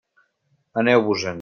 Aneu-vos-en!